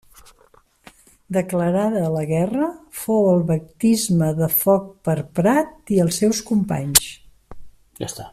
Declarada la guerra, fou el baptisme de foc per Prat i els seus companys.